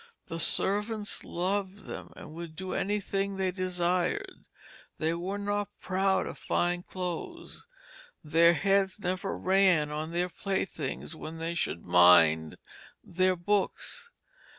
The Servants loved them, and would do any Thing they desired. They were not proud of fine Clothes, their Heads never ran on their Playthings when they should mind their Books.